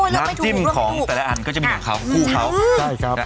น้ำจิ้มของแต่ละอันก็จะมีของเขา